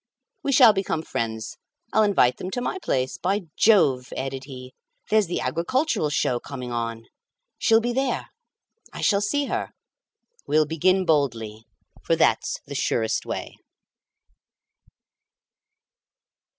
We shall become friends; I'll invite them to my place. By Jove!" added he, "there's the agricultural show coming on. She'll be there. I shall see her. We'll begin boldly, for that's the surest way."